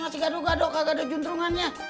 si gado gado kagadok juntrungannya